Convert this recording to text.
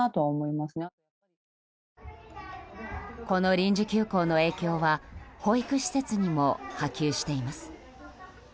この臨時休校の影響は保育施設にも波及しています。